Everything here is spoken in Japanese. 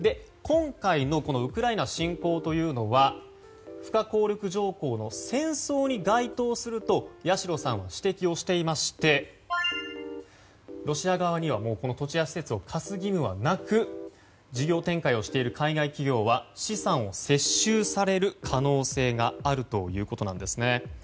今回のウクライナ侵攻というのは不可抗力条項の戦争に該当すると八代さんは指摘をしていましてロシア側には土地や施設を貸す義務はなく事業展開をしている海外企業は資産を接収される可能性があるということです。